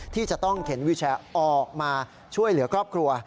ที่จะต้องเข็นวิแชร์ออกมาช่วยเหลือครอบครัว